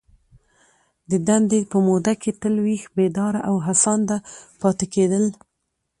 د دندي په موده کي تل ویښ ، بیداره او هڅانده پاته کیدل.